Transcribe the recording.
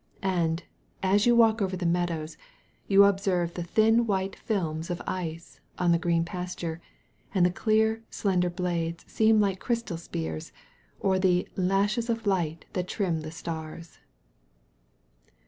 And, as you walk over the meadows, you observe the thin white films of ice on the green pasture; and the clear, slender blades seem like crystal spears, or the "lashes of light that trim the stars."